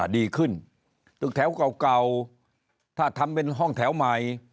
ดีขึ้นตึกแถวเก่าถ้าทำเป็นห้องแถวใหม่